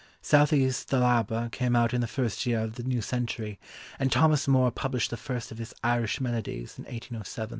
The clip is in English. Southey's Thalaba came out in the first year of the new century, and Thomas Moore published the first of his Irish Melodies in 1807.